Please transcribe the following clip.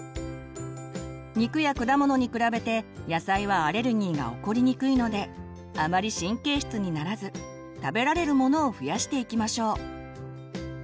肉や果物に比べて野菜はアレルギーが起こりにくいのであまり神経質にならず食べられるものを増やしていきましょう。